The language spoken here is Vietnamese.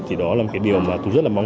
thì đó là điều mà tôi rất mong muốn